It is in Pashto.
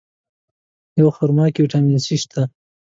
په خرما کې ویټامین C شته.